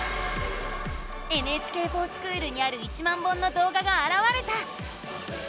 「ＮＨＫｆｏｒＳｃｈｏｏｌ」にある１万本のどうががあらわれた！